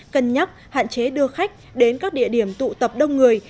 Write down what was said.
cân nhắc hạn chế đưa khách đến các địa điểm tụ tập đông người